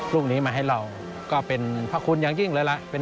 รูปนี้มาให้เราก็เป็นพระคุณอย่างยิ่งเลยล่ะ